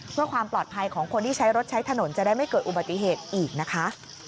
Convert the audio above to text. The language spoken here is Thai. เพื่อความปลอดภัยของคนที่ใช้รถใช้ถนนจะได้ไม่เกิดอุบัติเหตุอีกนะคะ